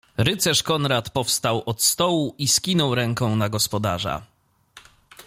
Rycerz Konrad powstał od stołu i skinął ręką na gospodarza.